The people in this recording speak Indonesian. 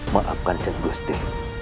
maafkan jeng gusti